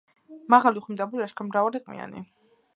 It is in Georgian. მაღალი, უხვი, მდაბალი, ლაშქარ-მრავალი, ყმიანი,